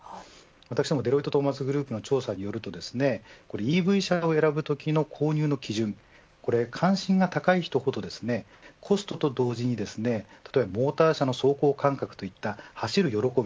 私どもデロイト・トーマツグループの調査によるとＥＶ車を選ぶときの購入の基準関心が高い人ほどコストと同時にモーター車の走行感覚といった走る喜び。